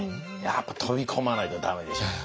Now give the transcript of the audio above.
やっぱ飛び込まないと駄目でしょう。